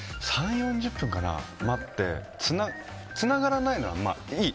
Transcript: ３０４０分かな、待ってつながらないのは、まあいい。